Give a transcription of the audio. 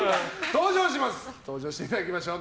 登場していただきましょう。